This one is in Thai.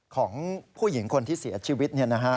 ของผู้หญิงคนที่เสียชีวิตเนี่ยนะฮะ